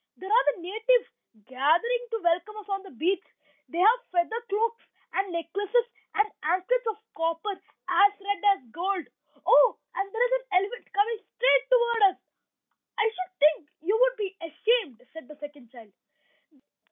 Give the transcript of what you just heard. there are the natives gathering to welcome us on the beach. They have feather cloaks, and necklaces, and anklets of copper as red as gold. Oh! and there is an elephant coming straight toward us." "I should think you would be ashamed," said the second child.